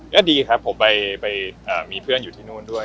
ก็ดีครับผมไปมีเพื่อนอยู่ที่นู่นด้วย